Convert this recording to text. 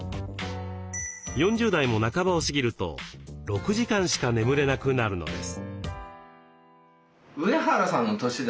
４０代も半ばを過ぎると６時間しか眠れなくなるのです。